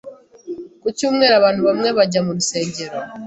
Ku cyumweru, abantu bamwe bajya mu rusengero.